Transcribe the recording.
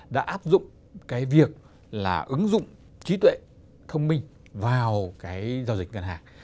đã áp dụng cái việc là ứng dụng trí tuệ thông minh vào cái giao dịch ngân hàng